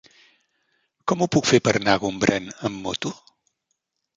Com ho puc fer per anar a Gombrèn amb moto?